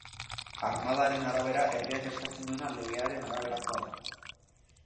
Armadaren arabera, herriak eskatzen duena legearen araberakoa da.